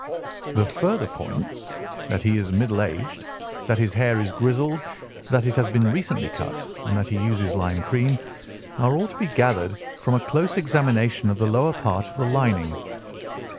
"The further points, that he is middle aged, that his hair is grizzled, that it has been recently cut, and that he uses lime cream, are all to be gathered from a close examination of the lower part of the lining.